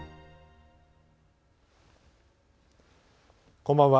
こんばんは。